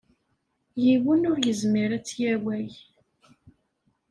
Yiwen ur yezmir ad tt-yawey.